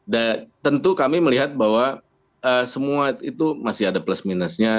dan tentu kami melihat bahwa semua itu masih ada plus minusnya